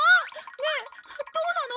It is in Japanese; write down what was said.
ねえどうなの？